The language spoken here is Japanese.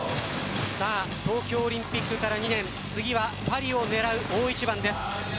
東京オリンピックから２年次はパリを狙う大一番です。